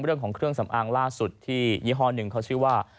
เรื่องของเครื่องสำอางล่าสุดที่ยี่ห้อหนึ่งเขาชื่อว่า